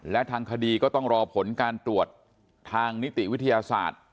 และทางคดีก็ต้องรอผลการตรวจทางนิติวิทยาศาสตร์